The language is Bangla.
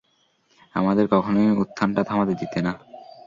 আমাদের কখনোই উত্থানটা থামাতে দিতে না।